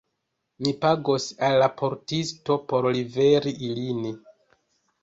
Mi pagos al la portisto por liveri ilin.